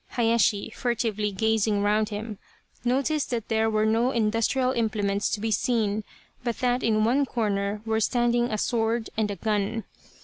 Hayashi, furtively gazing round him, noticed that there were no industrial implements to be seen, but that in one corner were standing a sword and a gun.